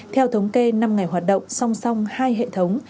theo thống kê năm ngày hoạt động song song hai hệ thống